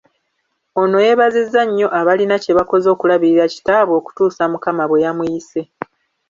Ono yeebazizza nnyo abalina kye bakoze okulabirira kitaabwe okutuusa Mukama bwe yamuyise.